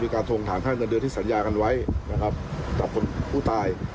การทวงถามค่าเงินเดือนที่สัญญากันไว้นะครับกับคนผู้ตาย